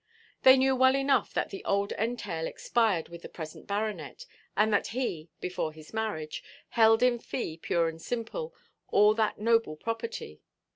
They knew well enough that the old entail expired with the present baronet; and that he (before his marriage) held in fee pure and simple all that noble property.